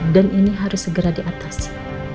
dan ini harus segera diatasi